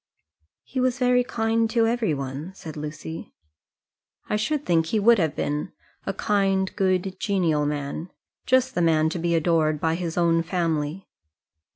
"He was very kind to every one," said Lucy. "I should think he would have been a kind, good, genial man just the man to be adored by his own family."